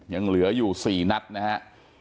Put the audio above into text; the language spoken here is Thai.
ยังเหลืออยู่๔นัดนะฮะ